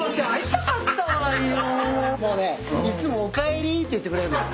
もうねいつも「おかえり」って言ってくれるのよ。